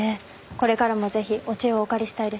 これからもぜひお知恵をお借りしたいです。